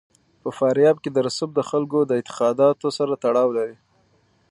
په افغانستان کې رسوب د خلکو د اعتقاداتو سره تړاو لري.